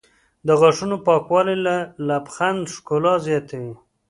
د غاښونو پاکوالی د لبخند ښکلا زیاتوي.